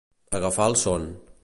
Agafar el son.